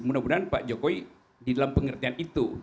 mudah mudahan pak jokowi di dalam pengertian itu